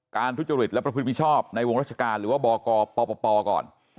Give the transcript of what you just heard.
การทวจริตและประพิวพิชาบในวงรัชการหรือว่าบกปปก่อน